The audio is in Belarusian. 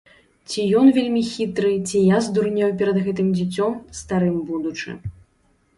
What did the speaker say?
Ці ён вельмі хітры, ці я здурнеў перад гэтым дзіцём, старым будучы.